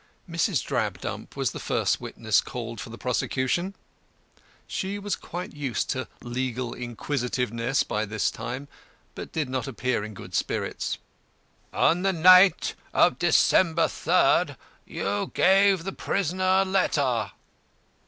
Mrs. Drabdump was the first witness called for the prosecution. She was quite used to legal inquisitiveness by this time, but did not appear in good spirits. "On the night of December 3rd, you gave the prisoner a letter?"